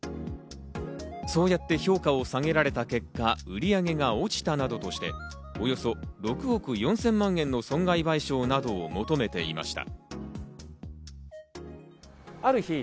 そうやって評価を下げられた結果、売り上げが落ちたなどとして、およそ６億４０００万円の損害賠償などを求めていました。